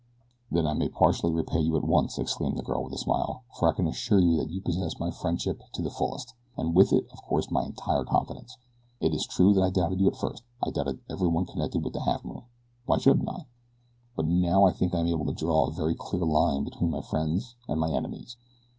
"Then I may partially repay you at once," exclaimed the girl with a smile, "for I can assure you that you possess my friendship to the fullest, and with it, of course, my entire confidence. It is true that I doubted you at first I doubted everyone connected with the Halfmoon. Why shouldn't I? But now I think that I am able to draw a very clear line between my friends and my enemies.